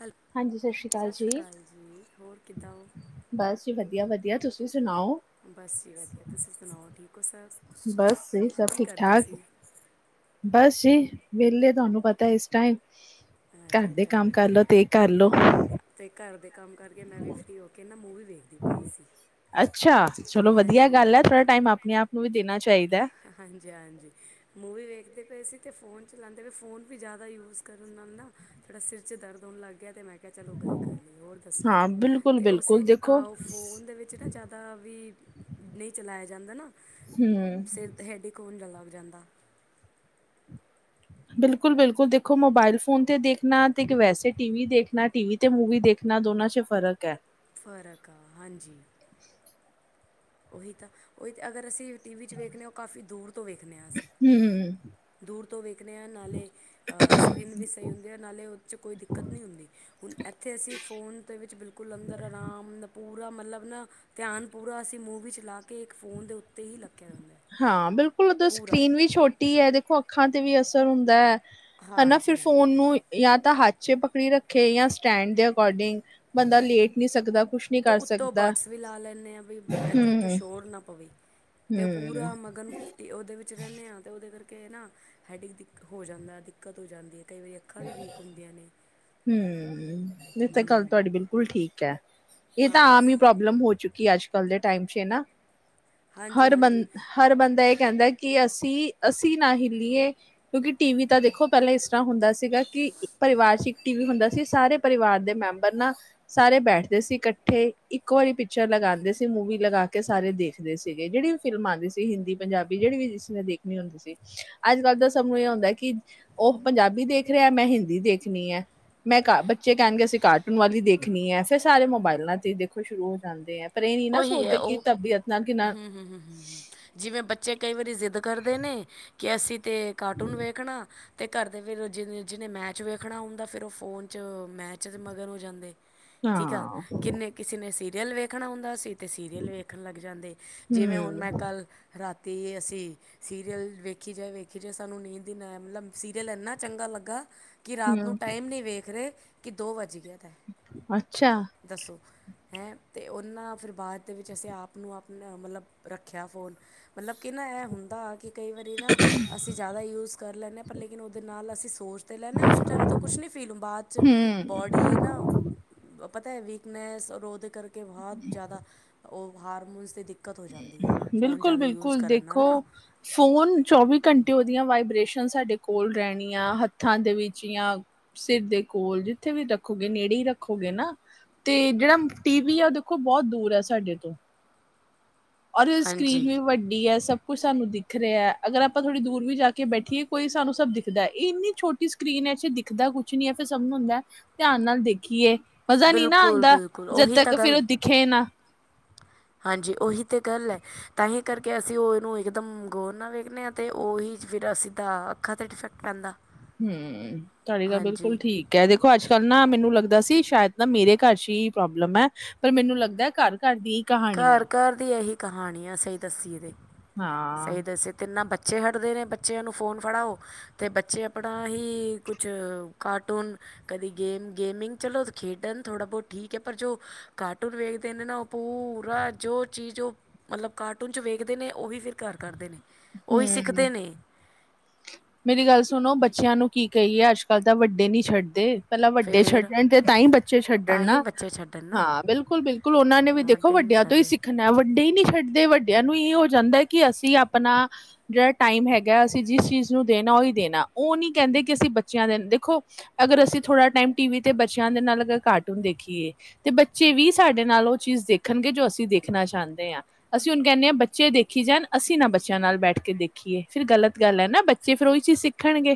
ਹੈਲ ਹਾਂਜੀ ਸਤਿ ਸ੍ਰੀ ਅਕਾਲ ਜੀ। ਸ਼੍ਰੀ ਜੀ ਹੋਰ ਕਿੱਦਾਂ ਹੋ ਬਸ ਜੀ ਵਧੀਆ -ਵਧੀਆ ਤੁਸੀ ਸੁਣ ਬਸ ਜੀ ਵਧੀਆ ਤੁਸੀ ਸੁਣਾਓ ਠੀਕ ਓ ਸਭ ਬਸ ਸਹੀ, ਸਭ ਕੀ ਠੀਕ ਕਰਦੇ -ਠਾਕ। ਸੀ ਬਸ ਜੀ ਵਿਹਲੇ ਤੁਹਾਨੂੰ ਪਤੈ ਇਸ ਟਾਈਮ ਘਰ ਅੱਛਾ ਦੇ ਅੱਛਾ ਕੰਮ ਹਾਂ ਕਰਲੋ ਤੇ ਕਰਲੋ ਅਤੇ ਘਰ ਦੇ ਕੰਮ ਕਰਕੇ ਮੈ ਵੀ ਫਰੀ ਹੋ ਕੇ ਨਾ ਮੂਵੀ ਦੇਖਦੀ ਪਈ ਸੀ। ਅੱਛਾ ਚਲੋ ਵਧੀਆ ਹਾਂਜੀ ਗੱਲ ਐ ਥੋੜਾ ਟਾਈਮ ਆਪਣੇ ਆਪ ਨੂੰ ਵੀ ਦੇਣਾ ਚਾਹੀ ਹਾਂਜੀ- ਹਾਂਜੀ ਮੂਵੀ ਵੇਖ ਦੇ ਪਏ ਸੀ ਤੇ ਫੋਨ ਚਲਾਉਂਦੇ ਪਏ ਫੋਨ ਵੀ ਜਿਆਦਾ ਯੂਜ ਕਰਨ ਨਾਲ ਨਾ ਥੋੜ੍ਹਾ ਸਿਰ 'ਚ ਦਰਦ ਹੋਣ ਲੱਗ ਗਿਆ ਅਤੇ ਮੈ ਕਿਹਾ ਚਲੋ ਗੱਲ ਕਰ ਲਈ ਹੋਰ ਦੱਸੋ ਹਾਂ ਬਿਲਕੁਲ ਤੇ ਉਸ ਬਿਲਕੁਲ ਦੇਖੋ ਉਹ ਫੋਨ ਦੇ ਵਿੱਚ ਨਾ ਜਿਆਦਾ ਵੀ ਨਹੀ ਚਲਾਇਆ ਜਾਂਦਾ ਨਾ। ਹੂੰ [inaudible] ਲੱਗ ਜਾਂਦਾ। ਬਿਲਕੁਲ - ਬਿਲਕੁਲ ਦੇਖੋ ਮੋਬਾਇਲ ਫੋਨ ਤੇ ਦੇਖਣਾ ਤੇ ਇੱਕ ਵੈਸੇ ਟੀ- ਵੀ ਦੇਖਣਾ ਟੀ -ਵੀ ਤੇ ਮੂਵੀ ਦੇ ਇਨਾ ਦੋਨਾ 'ਚ ਫ਼ਰਕ ਐ। ਫਰਕ ਆ ਹਾਂਜੀ [inaudible] ਉਹੀ ਤਾ ਉਹੀ ਤਾ ਅਗਰ ਅਸੀ ਟੀ -ਵੀ 'ਚ ਵੇਖਨੇ ਆ ਉਹ ਕਾਫੀ ਦੂਰ ਤੋ ਵੇਖਣੇ ਆ ਅਸੀ ਹਮ ਦੂਰ ਤੋ ਵੇਖਣੇ ਆ ਨਾਲੇ ਸਕਰੀਨ ਵੀ ਸਹੀ ਹੁੰਦੀ ਆ ਨਾਲੇ ਉਹਦੇ 'ਚ ਕੋਈ ਦਿੱਕਤ ਨੀ ਹੁੰਦੀ। ਹੁਣ ਇੱਥੇ ਅਸੀ ਫੋਨ ਦੇ ਵਿੱਚ ਬਿਲਕੁਲ ਅੰਦਰ ਆਰਾਮ ਪੂਰਾ ਮਤਲਬ ਨਾ ਧਿਆਨ ਪੂਰਾ ਅਸੀ ਮੂਵੀ 'ਚ ਲਾ ਕੇ ਇੱਕ ਫੋਨ ਦੇ ਉੱਤੇ ਹੀ ਲੱਗੇ ਰਹਿੰਦੇ। ਹਾਂ ਬਿਲਕੁਲ ਉਧਰ ਸਕਰੀਨ ਵੀ ਛੋਟੀ ਐ ਦੇਖੋ ਅੱਖਾਂ ਤੇ ਵੀ ਅਸਰ ਹੁੰਦੈ। ਹਨਾ ਫਿਰ ਹਾਂਜੀ ਫੋਨ ਅਤੇ ਨੂੰ ਜਾਂ ਤਾ ਹੱਥ 'ਚ ਪਕੜੀ ਰੱਖੇ ਜਾਂ ਸਟੈਂਡ ਦੇ ਅਕੋਰਡਿੰਗ ਬੰਦਾ ਲੇਟ ਨੀ ਸਕਦਾ। ਕੁਛ ਨਹੀਂ ਤੇ ਕਰ ਉੱਤੋ ਸਕਦਾ ਬਰਡਸ ਵੀ ਲਾ ਲੈਨੇ ਆ ਵੀ ਇੱਥੇ ਉੱਥੇ ਹੂੰ ਸ਼ੋਰ ਨਾ ਪਵੇ। ਤੇ ਹੂੰ ਪੂਰਾ ਮਗਨ ਉਹਦੇ ਵਿੱਚ ਰਹਿੰਦੇ ਆ ਤੇ ਉਹਦੇ ਕਰਕੇ ਨਾ ਹੈੱਡਏਕ ਹੋ ਜਾਂਦਾ ਦਿੱਕਤ ਹੋ ਜਾਂਦੀ ਐ। ਕਈ ਵਾਰੀ ਅੱਖਾਂ ਵੀ ਵੀਕ ਹੁੰਦੀਆ ਨੇ। ਹੂੰ ਇਹ ਤਾ ਗੱਲ ਹੂੰ ਤੁਹਾਡੀ ਬਿਲਕੁਲ ਠੀਕ ਐ। ਇਹ ਤਾਂ ਆਹੋ ਆਮ ਹੀ ਪ੍ਰੋਬਲਮ ਹੋ ਚੁੱਕੀ- ਕੀ ਅੱਜ ਕੱਲ ਦੇ ਟਾਈਮ 'ਚ ਨਾ ਹਾਂਜੀ ਹਰ ਬ ਹਾਂਜੀ -ਹਰ ਬੰਦਾ ਇੱਕ - ਕਹਿੰਦਾ ਕਿ ਅਸੀ - ਅਸੀ ਨਾ ਹਿੱਲੀਏ ਕਿਉਕਿ ਟੀ- ਵੀ ਤਾ ਦੇਖੋ ਪਹਿਲਾ ਇਸ ਤਰ੍ਹਾਂ ਹੁੰਦਾ ਸੀ- ਸੀਗਾ ਕਿ ਇੱਕ ਪਰਿਵਾਰ 'ਚ ਇੱਕ ਟੀ - ਵੀ ਹੁੰਦਾ ਸੀ ਸਾਰੇ ਪਰਿਵਾਰ ਦੇ ਮੈਂਬਰ ਨਾ ਸਾਰੇ ਬੈਠਦੇ ਸੀ ਇਕ - ਠ ਇੱਕ ਵਾਰੀ ਪਿਕਚਰ ਲਗਾਉਂਦੇ ਸੀ, ਮੂਵੀ ਲਗਾ ਕੇ ਸਾਰੇ ਦੇਖਦੇ ਸੀਗੇ ਜਿਹੜੀ ਫਿਲਮ ਆਉਂਦੀ ਸੀ ਹਿੰਦੀ - ਪੰਜਾਬੀ ਜਿਹੜੀ ਵੀ ਜਿਸਨੇ ਦੇਖਣੀ ਹੁੰਦੀ ਸੀ ਅੱਜ ਕੱਲ ਤਾ ਸਭ ਨੂੰ ਇਹ ਹੁੰਦਾ ਕਿ ਉਹ ਪੰਜਾਬੀ ਦੇਖ - ਦੇਖ ਰਿਹਾ ਮੈ ਹਿੰਦੀ ਦੇਖਣੀ ਐ। ਮੈ ਕ- ਬੱਚੇ ਕਹਿਣਗੇ ਅਸੀ ਕਾਰਟੂਨ ਵਾਲੀ ਦੇਖਣੀ ਐ ਫੇਰ ਸਾਰੇ ਮੋਬਾਇਲਾ ਤੇ ਹੀ ਦੇਖੋ ਸ਼ੁਰੂ ਹੋ ਜਾਂਦੇ ਆ। ਉਹੀ ਹੈ ਉਹ ਹਮ ਹ ਹ ਹ ਹ ਜਿਵੇ ਬੱਚੇ ਕਈ ਵਾਰੀ ਜ਼ਿੱਦ - ਕਰਦੇ ਨੇ ਕਿ ਅਸੀ ਤੇ ਕਾਰਟੂਨ ਵੇਖਣਾ, ਤੇ ਘਰ ਦੇ ਫਿਰ ਜਿ- ਜਿਹਨੇ ਮੈਚ ਵੇਖਣਾ ਹੁੰਦਾ ਫਿਰ ਉਹ ਫੋਨ 'ਚ ਮੈਚ ਦੇ ਮਗਰ ਹੋ ਜਾਂਦੇ। ਠੀਕ ਆ, ਹਾਂ, ਕਿੰਨੇ ਕਿਸੇ ਨੇ ਸੀ- ਰੀਅਲ ਵੇਖਣਾ ਹੁੰਦਾ ਸੀ ਤੇ ਸੀਰੀਅਲ ਵੇਖਣ ਲੱਗ ਜਾਂਦੇ। ਜਿਵੇ ਹੁਣ ਮੈ ਹੂੰ, ਕੱਲ ਰਾਤ- ਤੀ ਅਸੀ ਸੀਰੀਅਲ ਵੇਖੀ ਜਾਏ -ਵੇਖੀ ਜਾਏ ਸਾਨੂੰ ਨੀਂਦ ਹੀ ਨਾ ਆਏ ਮਤਲਬ ਸੀਰੀਅਲ ਇੰਨਾ ਚੰਗਾ ਲੱਗਾ - ਕਿ ਰਾਤ ਨੂੰ ਹੂੰ, ਟਾਈਮ ਨੀ ਵੇਖ ਰਹੇ ਕਿ ਦੋ ਵੱਜ ਗਿਆ। ਤਾਂ ਅੱਛਾ। ਦੱਸੋ ਹੈਂ ਤੇ ਉਹਨਾ ਫਿਰ - ਬਾਅਦ ਦੇ ਵਿੱਚ ਅਸੀ ਆਪ ਨੂੰ ਆਪਣਾ ਮਤਲਬ ਰੱਖਿਆ ਫੋਨ ਮਤਲਬ, ਕਿ ਨਾ ਇਹ ਹੁੰਦਾ ਕਿ ਕਈ ਵਾਰੀ ਨਾ ਅਸੀ ਜਿਆਦਾ ਯੂਜ ਕਰ ਲੈਨੇ ਆ ਪਰ ਲੇਕਿਨ ਉਹਦੇ ਨਾਲ ਅਸੀ ਸੋਚ - ਤੇ ਲੈਂਦੇ ਆ ਉਸ ਟਾਈਮ ਤਾ ਕੁਛ ਨੀ ਫੀਲ ਹੁੰਦਾ ਬਾਅਦ 'ਚ ਹੂੰ। ਬੋਡੀ ਨਾ - ਪਤਾ ਐ ਵੀਕਨੈਸ, ਓਹਦੇ ਕਰਕੇ ਬਹੁਤ ਜਿਆਦਾ ਉਹ ਹਾਰਮੋਨਸ ਤੇ ਦਿੱਕ ਬਿਲਕੁਲ - ਬਿਲਕੁਲ ਨਾਲ ਦੇਖੋ ਨਾ ਫੋਨ ਚੌਵੀ ਘੰਟੇ - ਦੀਆਂ ਵਾਈਬ੍ਰੇਸ਼ਨ ਸਾਡੇ ਕੋਲ ਰਹਿਣੀਆਂ ਹੱਥਾਂ ਦੇ ਵਿੱਚ ਜਾਂ ਸਿਰ ਦੇ ਕੋਲ ਜਿੱਥੇ ਵੀ। ਰੱਖੋਗੇ ਨੇੜੇ ਹੀ ਰੱਖੋਗੇ ਨਾ। ਤੇ ਜਿਹੜਾ ਟੀ ਵੀ ਆ ਉਹ ਦੇਖੋ ਬਹੁਤ ਦੂਰ ਹੈ ਸਾਡੇ ਤੋਂ। ਉਹਦੀ ਸਕਰੀਨ ਹਾਂਜੀ ਵੀ ਵੱਡੀ ਹੈ ਸਭ। ਕੋਈ ਸਾਨੂੰ ਦਿਖ ਰਿਹਾ ਅਗਰ ਆਪਾਂ ਥੋੜ੍ਹੀ ਦੂਰ ਵੀ ਜਾ ਕੇ ਬੈਠੀਏ ਕੋਈ ਸਾਨੂੰ ਸਭ ਦਿਖ ਦਾ ਇਹ ਇੰਨੀ ਛੋਟੀ ਸਕਰੀਨ। ਵੈਸੇ ਦਿਖਦਾ ਕੁਛ ਨੀ ਹੈ ਫਿਰ ਸਭ ਨੂੰ ਹੁੰਦਾ ਧਿਆਨ ਨਾਲ ਦੇਖੀਏ। ਮਜ਼ਾ ਨਹੀਂ ਨਾ ਬਿਲਕੁਲ ਆਉਂਦਾ ਬਿਲਕੁਲ ਜਦ ਉਹੀ ਤਾਂ ਤੱਕ ਫੇਰ ਗੱਲ ਉਹ ਦਿਖੇ ਨਾ। ਹਾਂਜੀ ਉਹੀ ਤੇ ਗੱਲ ਹੈ ਤਾਂਹੀ ਕਰਕੇ ਅਸੀਂ ਉਹਨੂੰ ਇਕਦਮ ਗੌਰ ਨਾ ਵੇਖਦੇ ਹਾਂ ਤੇ ਉਹੀ। ਫਿਰ ਉਹ ਸਿੱਧਾ ਅੱਖਾਂ 'ਤੇ ਡਿਫੈਕਟ ਪੈਂਦਾ ਹੈ। ਹੂੰ ਤੁਹਾਡੀ ਗੱਲ ਬਿਲਕੁਲ ਠੀਕ ਹੈ ਦੇਖੋ ਅੱਜ ਕੱਲ। ਨਾ ਮੈਨੂੰ ਲੱਗਦਾ ਸੀ ਸ਼ਾਇਦ ਨਾ ਮੇਰੇ ਘਰ 'ਚ ਹੀ ਪ੍ਰੋਬਲਮ ਹੈ। ਪਰ ਮੈਨੂੰ ਲੱਗਦਾ ਘਰ। ਘਰ ਘਰ ਦੀ ਇਹੀ ਕਹਾਣੀ ਆ ਸਹੀ ਦੱਸੀਏ ਤੇ ਹਾਂ, ਸਹੀ ਦੱਸੇ ਤੇ ਇਨ੍ਹਾਂ ਬੱਚੇ। ਪਿੱਛੇ ਹਟਦੇ ਨੇ ਬੱਚਿਆਂ ਨੂੰ ਫੋਨ ਫੜਾਓ ਤੇ ਬੱਚੇ ਆਪਣਾ ਹੀ ਕੁਛ ਕਾਰਟੂਨ। ਕਦੀ ਗੇਮ ਗੇਮਿੰਗ ਚਲੋ ਖੇਡਣ ਥੋੜਾ ਬਹੁਤ ਠੀਕ ਹੈ। ਪਰ ਜੋ ਕਾਰਟੂਨ ਵੇਖਦੇ ਨੇ ਨਾ ਉਹ। ਪੂਰਾ ਜੋ ਚੀਜ਼ ਉਹ ਮਤਲਬ ਕਾਰਟੂਨ 'ਚ ਵੇਖਦੇ ਨੇ ਉਹੀ ਫਿਰ ਘਰ ਕਰਦੇ ਨੇ। ਉਹੀ ਸਿੱਖਦੇ ਹੂੰ। ਨੇ। ਮੇਰੀ ਗੱਲ ਸੁਣੋ ਬੱਚਿਆਂ ਨੂੰ ਕੀ ਕਹੀਏ ਅੱਜ ਕੱਲ੍ਹ ਤਾਂ ਵੱਡੇ ਨਹੀਂ ਛੱਡਦੇ। ਪਹਿਲਾਂ ਵੱਡੇ ਫਿਰ ਛੱਡਣ ਤੇ ਤਾਂ ਹੀ ਬੱਚੇ ਛੱਡਣ ਤਾਂ ਹੀ ਨਾ। ਬੱਚੇ ਛੱਡਣ ਨਾ ਹਾਂ ਬਿਲਕੁਲ ਬਿਲਕੁਲ ਉਹਨਾਂ ਨੇ ਵੀ ਦੇਖੋ ਵੱਡੇ ਨਹੀਂ ਵੱਡਿਆਂ ਤੋਂ ਹੀ ਛੱਡਦੇ। ਸਿੱਖਣਾ ਵੱਡੇ ਹੀ ਨਹੀਂ ਛੱਡਦੇ। ਤੇ ਵੱਡਿਆਂ ਨੂੰ ਇਹ ਹੋ ਜਾਂਦਾ ਹੈ ਕਿ ਅਸੀਂ ਆਪਣਾ ਜਿਹੜਾ ਟਾਈਮ ਹੈਗਾ ਅਸੀਂ ਜਿਸ ਚੀਜ਼। ਚੀਜ਼ ਨੂੰ ਦੇਣਾ ਉਹ ਨਹੀਂ ਦੇਣਾ ਉਹ ਨਹੀਂ ਕਹਿੰਦੇ ਕਿ ਅਸੀਂ ਬੱਚਿਆਂ ਦੇ ਦੇਖੋ ਅਗਰ ਅਸੀਂ ਥੋੜਾ ਟਾਈਮ ਟੀ ਵੀ ਤੇ ਬੱਚਿਆਂ। ਦੇ ਨਾਲ ਅਗਰ ਕਾਰਟੂਨ ਦੇਖੀਏ ਤੇ ਬੱਚੇ ਵੀ ਸਾਡੇ ਨਾਲ ਉਹ ਚੀਜ਼ ਦੇਖਣਗੇ ਜੋ ਅਸੀਂ ਦੇਖਣਾ ਚਾਹੁੰਦੇ ਹਾਂ? ਆ ਅਸੀਂ ਹੁਣ ਕਹਿੰਦੇ ਹਾਂ ਬੱਚੇ ਦੇਖੀ ਜਾਣ ਅਸੀਂ ਨਾ ਬੱਚਿਆਂ ਨਾਲ ਬੈਠ ਕੇ ਦੇਖੀਏ ਫ਼ਿਰ ਗਲਤ ਗੱਲ ਹੈ ਨਾ ਬੱਚੇ। ਬੱਚੇ ਫਿਰ ਉਹੀ ਚੀਜ਼ ਸਿੱਖਣਗੇ।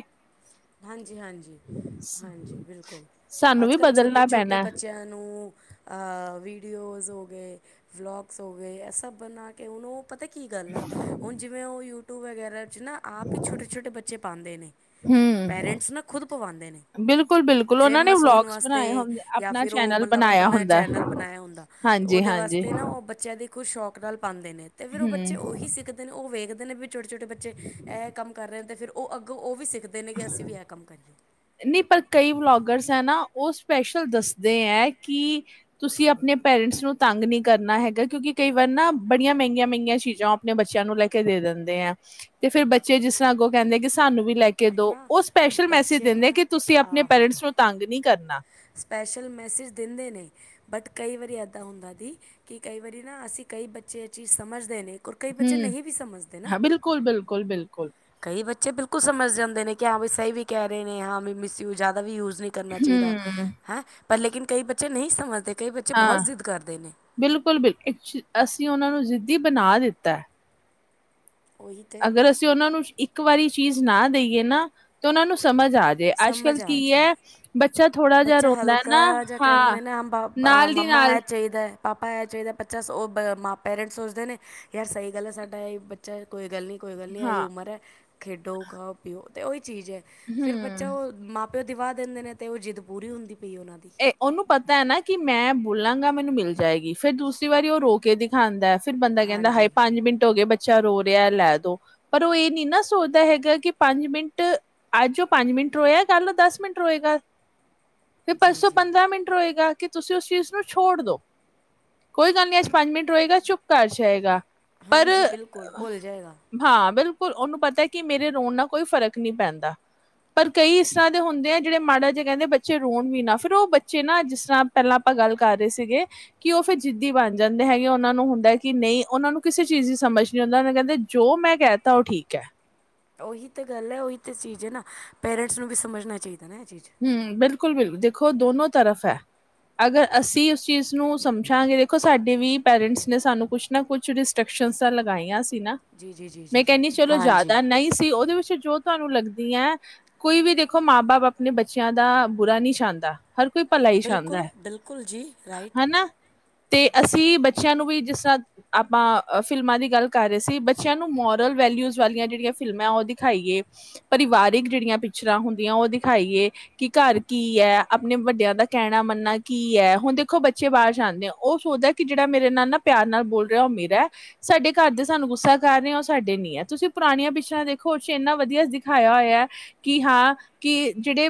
ਹਾਂਜੀ ਹਾਂਜੀ ਸ- ਹਾਂਜੀ ਬਿਲਕੁਲ। ਸਾਨੂੰ ਅੱਜ ਵੀ ਕੱਲ੍ਹ ਛੋਟੇ ਬਦਲਣਾ ਛੋਟੇ ਪੈਣਾ, ਹੈ। ਬੱਚਿਆਂ ਨੂੰ ਅਹ ਵੀਡੀਓਜ਼। ਹੋ ਗਏ, ਵਲੋਗਸ ਹੋ ਗਏ। ਇਹ ਸਭ ਬਣਾ ਕੇ ਉਹਨੂੰ ਪਤਾ ਕੀ ਗੱਲ ਆ ਹੁਣ ਜਿਵੇਂ ਉਹ ਯੂਟਿਊਬ। ਯੂਟਿਊਬ ਵਗੈਰਾ 'ਚ ਨਾ ਆਪ ਹੀ ਛੋਟੇ ਛੋਟੇ ਬੱਚੇ ਪਾਉਂਦੇ ਨੇ ਹੂੰ। ਪੇਰੈਂਟਸ ਨਾ ਖੁਦ ਪਵਾਉਂਦੇ ਨੇ। ਬਿਲਕੁਲ, ਬਿਲਕੁਲ ਉਹਨਾਂ ਨੇ ਫੇਮਸ ਹੋਣ ਵਲੋਗਸ ਵਾਸਤੇ ਬਣਾਏ ਹੁੰਦੇ ਜਾਂ ਆਪਣਾ ਫਿਰ ਉਹ ਚੈਨਲ ਮਤਲਬ ਬਣਾਇਆ ਆਪਣਾ ਹੁੰਦਾ। ਹੈ। ਚੈਨਲ ਬਣਾਇਆ ਹੁੰਦਾ ਹੈ। ਹਾਂਜੀ, ਉਹਦੇ ਹਾਂਜੀ ਵਾਸਤੇ ਨਾ ਉਹ ਬੱਚਿਆਂ ਦੀ ਖੁਦ ਸ਼ੌਕ ਨਾਲ ਪਾਉਂਦੇ ਨੇ ਤੇ ਫਿਰ ਉਹ ਬੱਚੇ ਹੂੰ, ਉਹੀ ਸਿੱਖਦੇ ਨੇ ਉਹ ਵੇਖਦੇ। ਵੇਖਦੇ ਨੇ ਵੀ ਛੋਟੇ ਛੋਟੇ ਬੱਚੇ ਇਹ ਕੰਮ ਕਰ ਰਹੇ ਨੇ ਤੇ ਫਿਰ ਉਹ ਅੱਗੋਂ ਉਹ ਵੀ ਸਿੱਖਦੇ ਨੇ ਕਿ ਅਸੀਂ ਵੀ ਇਹ ਕੰਮ ਕਰੀਏ। ਨਹੀਂ ਪਰ ਕਈ ਵਲੋਗਰਸ ਹੈ ਨਾ ਉਹ ਸਪੈਸ਼ਲ ਦੱਸਦੇ ਹੈ। ਕਿ ਤੁਸੀਂ ਆਪਣੇ? ਪੇਰੈਂਟਸ ਨੂੰ ਤੰਗ ਨਹੀਂ ਕਰਨਾ ਹੈਗਾ। ਕਿਉਂਕਿ ਕਈ ਵਾਰ ਨਾ ਬੜੀਆਂ ਮਹਿੰਗੀਆਂ ਮਹਿੰਗੀਆਂ ਚੀਜ਼ਾਂ ਉਹ ਆਪਣੇ ਬੱਚਿਆਂ ਨੂੰ ਲੈ ਕੇ ਦੇ ਦਿੰਦੇ ਆ। ਦਿੰਦੇ ਆ ਤੇ ਫੇਰ ਬੱਚੇ ਜਿਸ ਤਰ੍ਹਾਂ ਅੱਗੋਂ ਕਹਿੰਦੇ ਕਿ ਸਾਨੂੰ ਵੀ ਲੈ ਕੇ ਦੋ ਆਪਣਾ ਉਹ ਸਪੈਸ਼ਲ ਮੈਸੇਜ। ਬੱਚੇ ਦਿੰਦੇ ਕਿ ਤੁਸੀਂ ਆਪਣੇ ਪੇਰੈਂਟਸ ਨੂੰ ਤੰਗ ਨਹੀਂ ਕਰਨਾ। ਸਪੈਸ਼ਲ ਮੈਸੇਜ ਦਿੰਦੇ ਨੇ। ਬਟ ਕਈ ਵਾਰੀ ਇੱਦਾਂ ਹੁੰਦਾ ਦੀ ਕਿ ਕਈ ਵਾਰੀ ਨਾ ਅਸੀਂ ਕਈ ਬੱਚੇ ਇਹ ਚੀਜ਼ ਸਮਝਦੇ ਨੇ। ਔਰ ਕਈ ਬੱਚੇ ਹੂੰ ਨਹੀਂ ਵੀ ਸਮਝਦੇ ਹਾਂ ਬਿਲਕੁਲ ਬਿਲਕੁਲ ਬਿਲਕੁਲ। ਇਹ ਬੱਚੇ ਬਿਲਕੁਲ ਸਮਝ ਜਾਂਦੇ ਨੇ ਕਿ ਹਾਂ ਵੀ ਸਹੀ ਵੀ ਕਹਿ ਰਹੇ ਨੇ ਹਾਂ ਵੀ ਮਿਸ ਯੂਜ ਜਿਆਦਾ ਵੀ ਯੂਜ। ਯੂਜ ਨਹੀਂ ਕਰਨਾ ਚਾਹੀਦਾ ਹੂੰ, ਹੈ। ਪਰ ਲੇਕਿਨ ਕਈ ਬੱਚੇ ਨਹੀਂ ਸਮਝਦੇ। ਕਈ ਬੱਚੇ ਬਹੁਤ ਹਾਂ ਜ਼ਿੱਦ ਕਰਦੇ ਨੇ ਬਿਲਕੁਲ ਬਿਲਕੁ ਅਸੀਂ ਉਹਨਾਂ ਨੂੰ। ਜੀਂਦੀ ਬਣਾ ਦਿੱਤਾ ਹੈ। ਉਹੀ ਤੇ ਅਗਰ ਅਸੀਂ ਉਹਨਾਂ ਨੂੰ ਇੱਕ ਵਾਰੀ ਚੀਜ਼ ਨਾ ਦੇਈਏ ਨਾ ਤੇ ਉਹਨਾਂ ਨੂੰ। ਸਮਝ ਆ ਜੇ ਅੱਜ ਸਮਝ ਕੱਲ ਕੀ ਆ ਜਾਏ ਹੈ ਬੱਚਾ? ਥੋੜਾ ਜਿਹਾ ਬੱਚਾ ਰੋਂਦਾ ਹੈ ਨਾ ਹਲਕਾ ਜਿਹਾ ਹਾਂ ਕਹਿੰਦੇ ਨੇ ਨਾਲ ਦੀ ਮੰਮਾ ਨਾਲ ਇਹ ਚਾਹੀਦਾ ਹੈ। ਚਾਹੀਦਾ ਪਾਪਾ ਹੈ ਚਾਹੀਦਾ। ਬੱਚਾ ਪੈਰੈਂਟਸ ਸੋਚਦੇ ਨੇ ਯਾਰ ਸਹੀ ਗੱਲ ਹੈ ਸਾਡਾ ਇਹ ਬੱਚਾ ਹੈ ਕੋਈ ਗੱਲ ਨਹੀਂ। ਕੋਈ ਗੱਲ ਨਹੀਂ ਇਹ ਹਾਂ ਉਮਰ ਹੈ। ਖੇਡੋ, ਖਾਉ, ਪੀਉ ਤੇ ਉਹੀ ਚੀਜ਼ ਆ ਫਿਰ ਹਮ ਬੱਚਾ ਉਹ ਮਾਂ। ਫਿਰ ਦਿਵਾ ਦਿੰਦੇ ਨੇ ਤੇ ਉਹ ਜਿੱਦ ਪੂਰੀ ਹੁੰਦੀ ਹੈ। ਇਹ ਉਹਨੂੰ ਪਤਾ ਹੈ ਨਾ ਕਿ ਮੈਂ ਬੋਲਾਂਗਾ? ਮੈਨੂੰ ਮਿਲ ਜਾਏਗੀ ਫਿਰ ਦੂਸਰੀ ਵਾਰੀ ਉਹ ਰੋ ਕੇ ਦਿਖਾਉਂਦਾ ਫਿਰ ਬੰਦਾ ਕਹਿੰਦਾ ਆਏ ਹਾਂਜੀ ਪੰਜ ਮਿੰਟ ਹੋ ਗਏ ਬੱਚੇ। ਬੱਚਾ ਰੋ ਰਿਹਾ ਲੈ ਦੋ ਪਰ ਉਹ ਇਹ ਨੀ ਨਾ ਸੋਚਦਾ ਹੈਗਾ ਕਿ ਪੰਜ ਮਿੰਟ ਅੱਜ ਉਹ ਪੰਜ ਮਿੰਟ। ਮਿੰਟ ਰੋਇਆ। ਗੱਲ ਦਸ ਮਿੰਟ ਰੋਏਗਾ। ਹ ਫਿਰ ਪਰਸੋਂ ਪੰਦਰਾਂ ਮਿੰਟ ਰਹੇਗਾ। ਕਿ ਤੁਸੀਂ ਉਸ ਚੀਜ਼ ਨੂੰ ਛੋੜ ਦੋ। ਕੋਈ ਗੱਲ ਨਹੀਂੀ ਅੱਜ ਪੰਜ ਮਿੰਟ ਰਹੇਗਾ, ਚੁੱਪ ਕਰ ਜਾਏਗਾ। ਪਰ ਹਾਂਜੀ ਬਿਲਕੁਲ ਭੁੱਲ ਜਾਏਗਾ ਹਾਂ! ਬਿਲਕੁਲ ਉਹਨੂੰ ਪਤਾ ਕਿ, ਮੇਰੇ ਰੋਣ ਨਾਲ ਕੋਈ ਫ਼ਰਕ ਨਹੀਂੀ ਪੈਂਦਾ। ਪਰ ਕਈ ਇਸ ਤਰ੍ਹਾਂ ਦੇ ਹੁੰਦੇ ਆ। ਜਿਹੜੇ ਮਾੜਾ ਜਿਹੇ ਕਹਿੰਦੇ ਬੱਚੇ ਰੋਣ ਵੀ ਨਾ ਫੇਿਰ ਉਹ ਬੱਚੇ ਨਾ, ਜਿਸ ਤਰ੍ਹਾਂ ਪਹਿਲਾਂ ਆਪਾਂ ਗੱਲ ਕਰ ਰਹੇ ਸੀਗੇ, ਕਿ ਉਹ ਫਿਰ ਜਿੱਦੀ ਬਣ ਜਾਂਦੇ ਹੈਗੇ। ਉਹਨਾਂ ਨੂੰ ਹ ਕਦਾ ਕਿ ਨਹੀਂ। ਉਹਨਾਂ ਨੂੰ ਕਿਸੇ ਚੀਜ਼ ਦੀ ਸਮਝ ਨਹੀਂੀ ਆਉਂਦਾ ਕਹਿੰਦੇ, ਜੋ ਮੈਂ ਕਹਿ ਦਿੱ ਤਾ ਉਹ ਠੀਕ ਹੈ। ਉਹੀ ਤਾਂ ਗੱਲ ਹੈ। ਉਹੀ ਤਾਂ ਚੀਜ਼ ਹੈ ਨਾ ਪੇਰੈਂਟਸ ਨੂੰ ਵੀ ਸਮਝਣਾ ਚਾਹੀਦਾ। ਨਾ ਇਹ ਚੀਜ਼ ਹਮ! ਬਿਲਕੁਲ ਬਿਲਕੁਲ ਦੇਖੋ ਦੋਨੋ ਤਰਫ ਹੈ। ਅਗਰ, ਅਸੀਂ ਉਸ ਚੀਜ਼ ਨੂੰ ਸਮਝਾਂਗੇ। ਦੇਖੋ ਸਾਡੇ ਵੀ ਪੇਰੈਂਟਸ ਨੇ ਸਾਨੂੰ ਕੁਛ ਨਾ ਕੁਛ ਰਿਸਟਰਕ ਸ਼ੰਸਾ ਲਗਾਈਆਂ ਸੀ। ਨਾ ਜੀ ਜੀ ਜੀ ਮੈਂ ਜੀ ਜੀ ਕਹਿੰਦੀ ਚਲੋ ਹਾਂਜੀ ਜ਼ਿਆਦਾ ਨਹੀਂ ਸੀ। ਉਹਦੇ ਵਿੱਚ ਜੋ ਤੁਹਾਨੂੰ ਲੱਗਦੀ ਹੈ। ਕੋਈ ਵੀ ਦੇਖੋ, ਮਾਂ ਬਾਪ ਆਪਣੇ ਬੱਚਿਆਂ ਦਾ ਬੁਰਾ ਨਹੀਂ ਛਾਂਦਾ। ਬਿਲਕੁਲ ਬਿਲਕੁਲ! ਜੀ ਰਾਈਟ ਹਨਾ। ਤੇ ਅਸੀਂ ਬੱਚਿਆਂ ਨੂੰ ਵੀ, ਜਿਸ ਤਰ੍ਹਾਂ ਆਪਾਂ ਫਿਲਮਾਂ ਦੀ ਗੱਲ ਕਰ ਰਹੇ ਸੀ। ਬੱਚਿਆਂ ਨੂੰ ਮੋਰਲ ਵ ਵਾਲੀਆਂ ਜਿਹੜੀਆਂ ਫਿਲਮਾਂ ਉਹ ਦਿਖਾਈਏ। ਪਰਿਵਾਰਿਕ ਜਿਹੜੀਆਂ ਪਿਕਚਰਾਂ ਹੁੰਦੀਆਂ। ਉਹ ਦਿਖਾਈਏ, ਕਿ ਘਰ ਕੀ ਹੈ। ਆਪਣੇ ਵੱਡਿਆਂ ਦਾ ਕਹਿਣਾ ਮੰਨਣਾ ਕੀ ਹੈ! ਹੁਣ ਦੇਖੋ ਬੱਚੇ ਬਾਹਰ ਜਾਂਦੇ ਆ। ਉਹ ਸੋਚਦਾ ਕਿ ਜਿਹੜਾ ਮੇਰੇ ਨਾਲ ਨਾ ਪਿਆਰ ਨਾਲ ਬੋਲ ਰਿਹਾ, ਉਹ ਮੇਰਾ ਸਾਡੇ ਘਰ ਦੇ ਸਾਨੂੰ ਗੁੱਸਾ ਕਰ ਰਹੇ ਸਾਡੇ ਨੀ ਹੈ। ਤੁਸੀਂ ਪੁਰਾਣੀਆਂ ਪਿੱਛਰਾਂ ਦੇਖੋ ਉੇ ਇੰਨਾ ਵਧੀਆ ਦਿਖਾਇਆ ਹੋਇਆ ਕਿ ਹਾਂ ਕਿ ਜਿਹੜੇ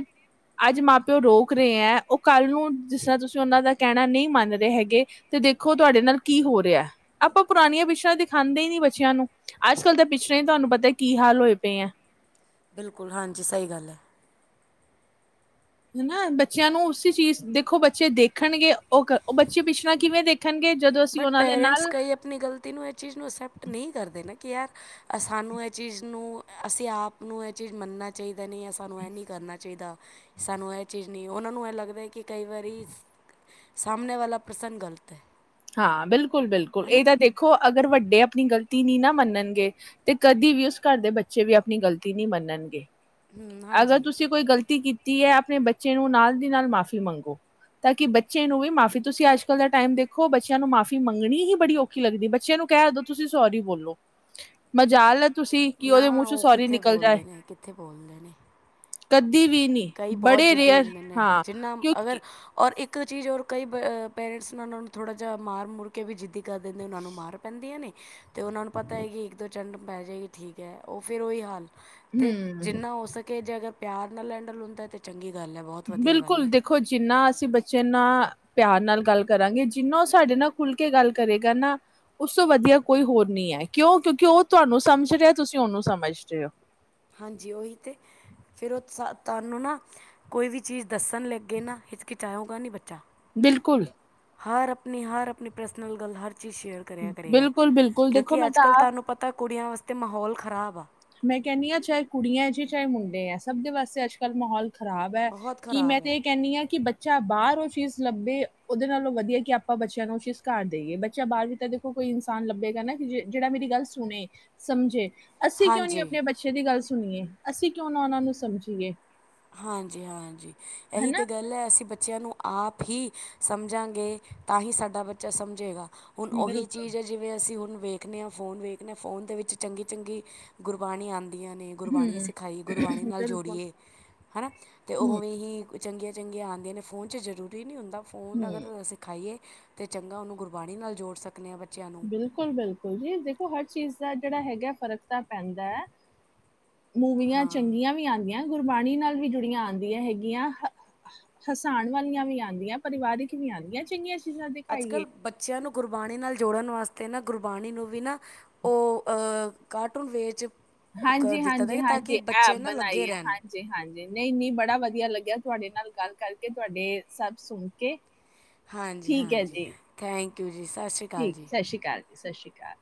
ਅੱਜ ਮਾਂ ਪਿਓ ਰੋਕ ਰਹੇ ਹੈ ਆ। ਉਹ ਕੱਲ ਨੂੰ ਜਿਸ ਤਰ੍ਹਾਂ ਤੁਸੀਂ ਉਹਨਾਂ ਦਾ ਕਹਿਣਾ ਨਹੀਂ ਮੰਨ ਰਹੇ, ਹੈਗੇ ਤੇ ਦੇਖੋ ਤੁਹਾਡੇ ਨਾਲ ਕੀ ਹੋ ਰਿਹਾ। ਆਪਾਂ ਪੁਰਾਣੀਆਂ ਪਿੱਛਰਾਂ ਦਿਖਾਉਂਦੇ ਹੀ ਨੀ ਬੱਚਿਆਂ ਨੂੰ ਅੱਜ ਕੱਲ ਤਾਂ ਪਿੱਛੇ ਤੁਹਾਨੂੰ ਪਤਾ ਕੀ ਹਾਲ ਹੋਏ ਪਏ ਹੈ। ਬਿਲਕੁਲ ਹਾਂਜੀ! ਸਹੀ ਗੱਲ ਹੈ। ਹਨਾ! ਬੱਚਿਆਂ ਨੂੰ ਉਸ ਚੀਜ਼ ਦੇਖੋ ਬੱਚੇ ਦੇਖਣਗੇ ਉਹ ਉਹ ਬੱਚੇ ਪਿਛੜ ਕਿਵੇਂ ਦੇਖਣਗੇ ਜਦੋਂ ਅਸੀਂ ਬਟ ਉਹਨਾਂ ਦੇ ਪੇਰੈਂਟਸ, ਨਾਲ ਕਈ ਆਪਣੀ ਗ਼ਲਤੀ ਨੂੰ ਇਹ ਚੀਜ਼ ਨੂੰ ਅਕਸੈਪਟ ਨਹੀਂ ਕਰਦੇ ਨੇ। ਕਿ ਯਾਰ ਸਾਨੂੰ ਇਹ ਚੀਜ਼ ਨੂੰ ਅਸੀਂ ਆਪ ਨੂੰ ਇਹ ਚੀਜ਼ ਮੰਨਣਾ ਚਾਹੀਦਾ। ਨਹੀਂ ਹੈ। ਸਾਨੂੰ ਇਹ ਨ ਕਰਨਾ ਚਾਹੀਦਾ ਸਾਨੂੰ ਇਹ ਚੀਜ਼ ਨਹੀਂ, ਉਹਨਾਂ ਨੂੰ ਇਹ ਲੱਗਦਾ ਕਿ ਕਈ ਵਾਰੀ ਸਮਣੇ ਵਾਲਾ ਪ੍ਰਸੰਗ ਗਲਤ ਹੈ। ਹਾਂ! ਬਿਲਕੁਲ ਬਿਲਕੁਲ ਹੈ ਨਾ ਇਹ ਤਾਂ ਦੇਖੋ ਅਗਰ ਵੱਡੇ ਆਪਣੀ ਗਲਤੀ ਨਹੀਂ ਨਾ ਮੰਨਣਗੇ, ਤੇ ਕਦੀ ਵੀ ਉਸ ਘਰ ਦੇ ਬੱਚੇ ਵੀ ਆਪਣੀ ਗ਼ਲਤੀ ਨਹੀਂ ਮੰਨਣਗੇ। ਹੂੰ ਅਗਰ ਹਾਂਜੀ ਤੁਸੀਂ ਕੋਈ ਗ਼ਲਤੀ ਕੀਤੀ ਹੈ, ਆਪਣੇ ਬੱਚੇ ਨੂੰ ਨਾਲ ਦੀ ਨਾਲ ਮਾਫ਼ੀ ਮੰਗੋ। ਤਾਂ ਕਿ ਬੱਚੇ ਨੂੰ ਵੀ ਮਾਫ਼ੀ, ਤੁਸੀਂ ਅੱਜ ਕੱਲ੍ਹ ਦਾ ਟਾਈਮ ਦੇਖੋ ਖੋ ਬੱਚਿਆਂ ਨੂੰ ਮਾਫ਼ੀ ਮੰਗਣੀ ਹੀ ਬੜੀ ਔਖੀ ਲੱਗਦੀ। ਬੱਚਿਆਂ ਨੂੰ ਕਹਿ ਦਦੋ ਤੁਸੀਂ ਸੋਰੀ ਬੋਲੋ ਮਜ਼ਾਲਤ ਨਾ, ਉਹ ਕਿੱਥੇ ਬੋਲਦੇ ਨੇ ਕਿੱਥੇ ਬੋਲਦੇ ਨੇ। ਕਦੀ ਵੀ ਨੀ ਕਈ ਬਹੁਤ ਬੜੇ ਜਿੱਦੀ ਰੇਅਰ ਹੁੰਦੇ ਨੇ। ਹਾਂ ਜਿੰਨਾ ਅਗਰ ਕਿਉਂਕਿ ਔਰ ਇੱਕ ਇੱਕ ਚੀਜ਼ ਰ ਕਈ ਪੇਰੈਂਟਸ ਨੇ, ਉਹ ਨੂੰ ਥੋੜਾ ਜਿਹਾ ਮਾਰ ਮੁਰ ਕੇ ਵੀ ਜਿੱਦੀ ਕਰ ਦਿੰਦੇ। ਉਹਨਾਂ ਨੂੰ ਮਾਰ ਪੈਂਦੀਆਂ ਨੇ- ਅਤੇ ਉਹਨਾਂ ਨੂੰ ਪਤਾ ਹੈ, ਕਿ ਇੱਕ ਦੋ ਚੰਡ ਪੈ ਜਾਏਗੀ ਠੀਕ ਹੈ। ਉਹ ਫਿਰ ਉਹੀ ਹਾਲ ਤੇ ਹੂੰ ਜਿੰਨਾ ਹੋ ਸਕੇ, ਜੇ ਅਗਰ ਪਿਆਰ ਨਾਲ ਹੈਡਲਾਇਨ ਹੁੰਦਾ ਤੇ ਚੰਗੀ ਗੱਲ ਹੈ ਬਹੁਤ ਵਧੀਆ ਗੱਲ ਬਿਲਕੁਲ! ਹੈ ਦੇਖੋ ਜਿੰਨਾ ਅਸੀਂ ਬੱਚੇ ਨਾਲ ਪਿਆਰ ਨਾਲ ਗੱਲ ਕਰਾਂਗੇ। ਜਿੰਨਾ ਉਹ ਸਾਡੇ ਨਾਲ ਖੁੱਲ ਕੇ ਗੱਲ ਕਰੇਗਾ ਨਾ ਉਸ ਤੋਂ ਵਧੀਆ ਕੋਈ ਹੋਰ ਨ ਹੈ। ਕਿਉਂ ਕਿਉਂਕਿ ਉਹ ਤੁਹਾਨੂੰ ਸਮਝ ਰਿਹਾ ਤੁਸੀਂ ਉਹਨੂੰ ਸਮਝ ਰਹੇ ਹੋ ਹਾਂਜੀ! ਉਹੀ ਤੇ ਫੇਿਰ ਉਹ ਤੁਹਾਨੂੰ ਨਾ ਕੋਈ ਵੀ ਚੀਜ਼ ਦੱਸਣ ਲੱਗੇ, ਨਾ ਹਿਚਕਿਚਾਹਓਗਾ ਨਹੀਂ ਬੱਚਾ। ਬਿਲਕੁਲ। ਹਰ! ਆਪਣੀ ਹਰ ਆਪਣੀ ਪਰਸਨਲ ਗੱਲ ਹਰ ਚੀਜ਼ ਸ਼ੇਅਰ ਕਰਿਆ ਕਰੇਗਾ ਬਿਲਕੁਲ-ਬਿਲਕੁਲ ਦੇਖੋ ਕਿਉਂਕਿ ਮੈਂ ਅੱਜ ਤਾਂ ਕੱਲ੍ਹ ਆਪ ਤੁਹਾਨੂੰ ਪਤਾ ਕੁੜੀਆਂ ਵਾਸਤੇ ਮਾਹੌਲ ਖ਼ਰਾਬ ਆ ਮੈਂ ਕਹਿੰਦੀ ਹਾਂ ਚਾਹੇ ਕੁੜੀਆਂ ਜੀ, ਚਾਹੇ ਮੁੰਡੇ ਹੈ, ਸਭ ਦੇ ਵਾਸਤੇ ਅੱਜ ਕੱਲ੍ਹ ਮਾਹੌਲ ਖ਼ਰਾਬ ਹੈ ਬਹੁਤ ਕਿ ਮੈਂ ਖਰਾਬ ਹੈ ਤੇ ਇਹ ਕਹਿੰਦੀ ਹਾਂ ਕਿ ਬੱਚਾ ਬਾਹਰ ਉਹ ਚੀਜ਼ ਲੱਭੇ ਉਹਦੇ ਨਾਲੋਂ ਵਧੀਆ ਕਿ ਆਪਾਂ ਬੱਚਿਆਂ ਨੂੰ ਉਹ ਚੀਜ਼ ਘਰ ਦੇਈਏ ਬੱਚਾ ਬਾਹਰ ਵੀ ਤਾਂ ਦੇਖੋ ਕੋਈ ਇਨਸਾਨ ਲੱਭ ਬੇਗਾਣਾ ਕਿ ਜਿਹੜਾ ਮੇਰੀ ਗੱਲ ਸੁਣੇ ਸਮਝੇ। ਅਸੀਂ ਕਿਉਂ ਨਹੀਂ ਹਾਂਜੀ ਆਪਣੇ ਬੱਚੇ ਦੀ ਗੱਲ ਸੁਣੀਏ ਅਸੀਂ ਕਿਉਂ ਨਾ ਉਹਨਾਂ ਨੂੰ ਸਮਝੀਏ। ਹਾਂਜੀ-ਹਾਂਜੀ ਇਹੀ ਤੇ ਹਨਾ? ਗੱਲ ਹੈ ਅਸੀਂ ਬੱਚ। ਬੱਚਿਆਂ ਨੂੰ ਆਪ ਹੀ ਸਮਝਾਂਗੇ ਤਾਂ ਹੀ ਸਾਡਾ ਬੱਚਾ ਸਮਝੇਗਾ। ਹੁਣ ਉਹੀ ਬਿਲਕੁਲ, ਚੀਜ਼ ਹੈ ਜਿਵੇਂ ਅਸੀਂ ਹੁਣ। ਵੇਖਣੇ ਹਾਂ ਫੋਨ ਵੇਖਦੇ ਹਾਂ ਫੋਨ ਦੇ ਵਿੱਚ ਚੰਗੀ-ਚੰਗੀ ਗੁਰਬਾਣੀ ਆਉਂਣ। ਦੀਆਂ ਨੇ ਗੁਰਬਾਣੀ ਹੂੰ, ਸਿਖਾਈ ਗੁਰਬਾਣੀ ਨਾਲ ਬਿਲਕੁਲ, ਜੋੜੀਏ ਹਨਾ ਤੇ ਹੂੰ, ਉਵੇਂ ਹੀ। ਚੰਗੀਆਂ-ਚੰਗੀਆਂ ਆਉਂਦੀਆ ਨੇ ਫੋਨ 'ਚ ਜ਼ਰੂਰੀ ਨਹੀਂ ਹੁੰਦਾ ਫੋਨ ਹੂੰ, ਅਗਰ ਸਿਖਾਈਏ। ਤੇ ਚੰਗਾ ਉਹਨੂੰ ਗੁਰਬਾਣੀ ਨਾਲ ਜੋੜ ਸਕਦੇ ਆ ਬਚ। ਬਿਲਕੁਲ-ਬਿਲਕੁਲ ਜੀ ਦੇਖੋ ਹਰ ਚੀਜ਼ ਦਾ ਜਿਹੜਾ ਹੈਗਾ ਫ਼ਰਕ ਤਾਂ ਪੈਂਦਾ ਹੈ। ਮੂਵੀਆਂ ਹਾਂ ਚੰਗੀਆਂ ਵੀ ਆਂਦੀਆਂ ਗੁਰਬਾਣੀ ਨਾਲ ਵੀ ਜੁੜੀਆਂ ਆਂਦੀਆਂ ਹੈਗੀਆਂ। ਹਸਾਣ ਵਾਲੀਆਂ ਵੀ ਆਂਦੀਆਂ, ਪਰਿਵਾਰਿਕ ਵੀ ਆਉਂਦੀਆਂ ਚੰਗੀਆਂ। ਚੀਜ਼ਾਂ ਅੱਜ ਦਿਖਾਈਏ ਕੱਲ੍ਹ ਬੱਚਿਆਂ ਨੂੰ। ਗੁਰਬਾਣੀ ਨਾਲ ਜੋੜਨ ਵਾਸਤੇ ਨਾ ਗੁਰਬਾਣੀ ਨੂੰ ਵੀ ਨਾ ਉਹ ਅ ਕਾਰਟੂਨ ਵੇਚ। ਹਾਂਜੀ-ਹਾਂਜੀ-ਹਾਂਜੀ ਐਪ ਨਾ ਲੱਗੇ ਬਣਾਈ ਹੈ। ਰਹਿਣ ਹਾਂਜੀ-ਹਾਂਜੀ ਨਹੀਂ-ਨਹੀਂ ਬੜਾ ਵਧੀਆ ਲੱਗਿਆ। ਤੁਹਾਡੇ ਨਾਲ ਗੱਲ ਕਰਕੇ ਤੁਹਾਡੇ ਸਭ ਸੁਣ ਕੇ। ਠੀਕ ਹੈ ਹਾਂਜੀ-ਹਾਂਜੀ ਜੀ ਥੈਂਕ ਯੂ ਜੀ ਸਤਿ ਸ਼੍ਰੀ ਅਕਾਲ ਠੀਕ ਜੀ। ਸਤਿ ਸ਼੍ਰੀ ਅਕਾਲ ਸਤਿ ਜੀ ਸ਼੍ਰੀ ਅਕਾਲ।